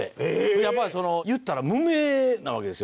やっぱりその言ったら無名なわけですよ